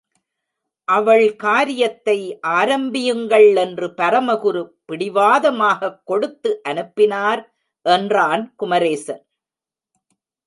அவள் காரியத்தை ஆரம்பியுங்கள் என்று பரமகுரு பிடிவாதமாகக் கொடுத்து அனுப்பினார், என்றான் குமரேசன்.